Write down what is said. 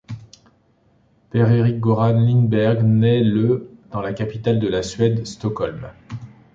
Per-Eric Göran Lindbergh naît le dans la capitale de la Suède, Stockholm.